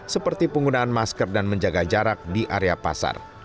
seperti penggunaan masker dan menjaga jarak di area pasar